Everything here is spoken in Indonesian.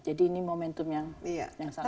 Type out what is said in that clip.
jadi ini momentum yang sangat penting